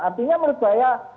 artinya menurut saya